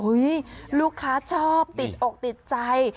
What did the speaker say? ลูกค้าชอบติดอกติดใจ